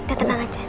udah tenang aja